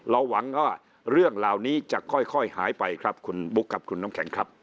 เราหวังว่าเรื่องราวนี้จะค่อยหายไปครับคุณบุ๊กคุณน้องแข็งครับ